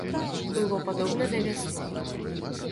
Было падобна да вясны.